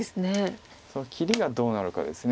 その切りがどうなるかです。